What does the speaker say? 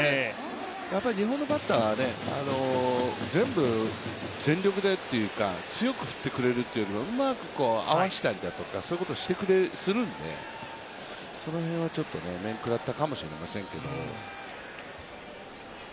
日本のバッターは全部全力でというか強く振ってくれるとかうまく合わせたりということをするので、その辺は、ちょっと面食らったかもしれませんけど。